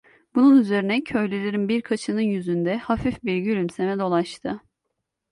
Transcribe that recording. Bunun üzerine köylülerin birkaçının yüzünde hafif bir gülümseme dolaştı.